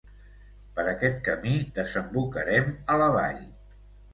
Per aquest camí desembocarem a la vall.